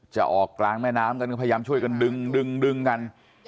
จะออกกลางแม่น้ำกันก็พยายามช่วยกันดึงดึงกัน